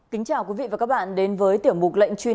kính chào quý vị và các bạn đến với tiểu mục lệnh truy nã